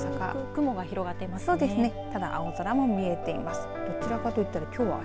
大阪雲が広がっていますね。